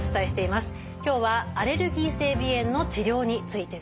今日はアレルギー性鼻炎の治療についてですね。